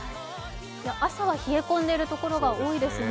朝は冷え込んでいるところが多いですね。